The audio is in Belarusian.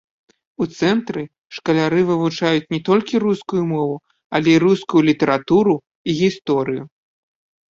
У цэнтры шкаляры вывучаюць не толькі рускую мову, але і рускую літаратуру і гісторыю.